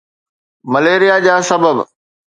malaria جا سبب